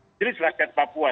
majelis rakyat papua